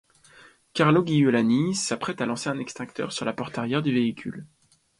Carlo Giulani s'apprête à lancer un extincteur sur la porte arrière du véhicule.